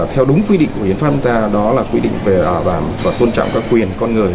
theo đúng quy định của hiến pháp chúng ta đó là quy định về tôn trọng các quyền con người